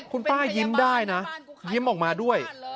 คุณป้ายิ้มได้นะยิ้มออกมาด้วย